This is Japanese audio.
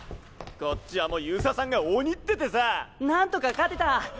こっちはもう遊佐さんが鬼っててさ！何とか勝てた！